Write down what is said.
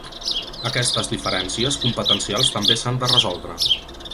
Aquestes diferències competencials també s’han de resoldre.